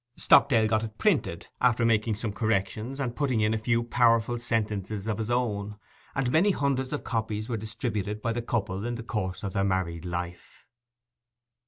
Stockdale got it printed, after making some corrections, and putting in a few powerful sentences of his own; and many hundreds of copies were distributed by the couple in the course of their married life.